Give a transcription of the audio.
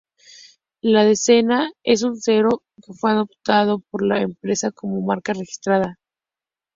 La decena, es un cero que fue adoptado por la empresa como marca registrada.